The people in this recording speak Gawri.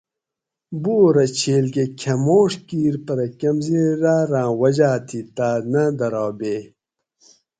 بورہ چھیل کہ کھماڛ کِیر پرہ کمزیراراں وجا تھی تاس نہ درابیئ